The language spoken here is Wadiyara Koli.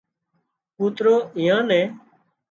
ڪوترو ايئان نين